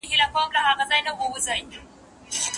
قرآن کريم د بندګانو د نجات او برياليتوب لپاره راغلي دی.